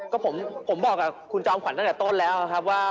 ก็ผมบอกกับคุณจอมขวัญตั้งแต่ต้นแล้วครับว่า